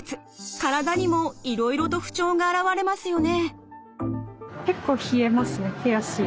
体にもいろいろと不調が現れますよね。